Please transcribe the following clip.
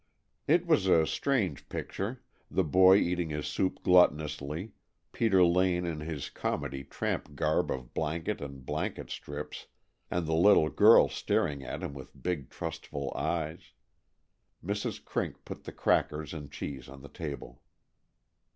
It was a strange picture, the boy eating his soup gluttonously, Peter Lane in his comedy tramp garb of blanket and blanket strips, and the little girl staring at him with big, trustful eyes. Mrs. Crink put the crackers and cheese on the table.